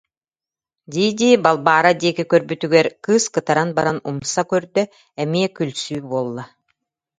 дии-дии Балбаара диэки көрбүтүгэр, кыыс кытаран баран умса көрдө, эмиэ күлсүү буолла